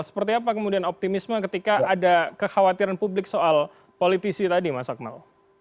seperti apa kemudian optimisme ketika ada kekhawatiran publik soal politisi tadi mas akmal